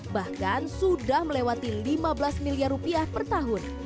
bahkan sudah melewati lima belas miliar rupiah per tahun